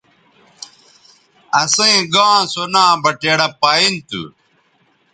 اَسئیں گاں سو ناں بٹیڑہ پائیں تھو۔